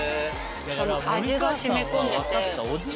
味が染み込んでて。